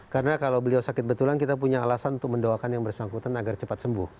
karena kalau beliau sakit betulan kita punya alasan untuk mendoakan yang bersangkutan agar cepat sembuh